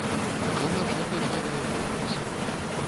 Вядома ж я пайшла да яго ў касу.